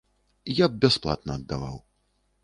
Я б бясплатна аддаваў.